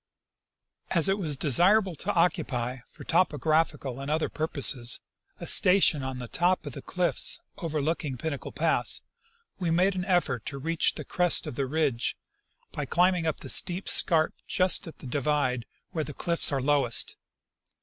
As it was desirable to occupy, for topographic and other purposes, a station on the top of the cliffs overlooking Pinnacle pass, we made an effort to reach the crest of the ridge by climbing up the steep scarp just at the divide, where the cliffs are lowest.